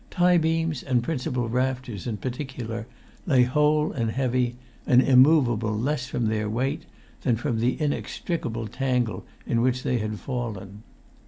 Tie beams and principal rafters, in particular, lay whole and heavy, and immovable less from their weight than from the inextricable tangle in which they had fallen.